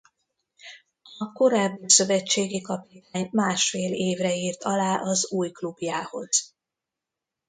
A korábbi szövetségi kapitány másfél évre írt alá az új klubjához.